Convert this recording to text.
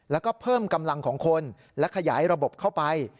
แล้วก็เพิ่มกำลังของคนและขยายระบบเข้าไป